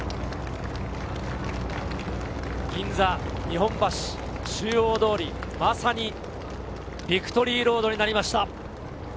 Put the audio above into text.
銀座・日本橋中央通り、まさにビクトリーロードになりました。